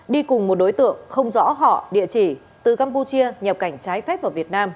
đi cùng một đối tượng không rõ họ địa chỉ từ campuchia nhập cảnh trái phép vào việt nam